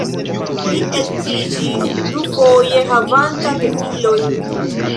Li edziĝis dufoje havanta gefilojn.